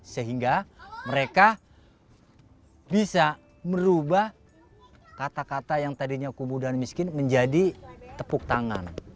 sehingga mereka bisa merubah kata kata yang tadinya kumuh dan miskin menjadi tepuk tangan